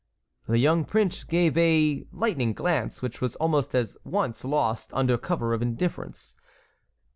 The young prince gave a lightning glance which was almost at once lost under cover of indifference.